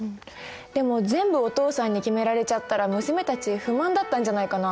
でも全部お父さんに決められちゃったら娘たち不満だったんじゃないかな。